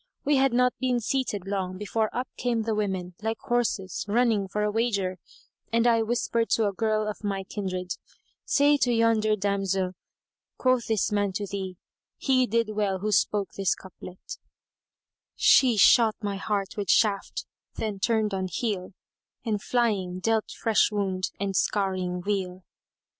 We had not been seated long before up came the women, like horses running for a wager; and I whispered to a girl of my kindred, "Say to yonder damsel—Quoth this man to thee, He did well who spoke this couplet:— She shot my heart with shaft, then turned on heel * And flying dealt fresh wound and scarring wheal."